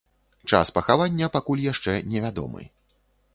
Час пахавання пакуль яшчэ невядомы.